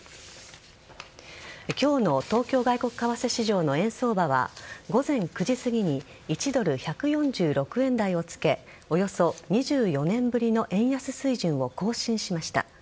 今日の東京外国為替市場の円相場は午前９時すぎに１ドル１４６円台をつけおよそ２４年ぶりの円安水準を更新しました。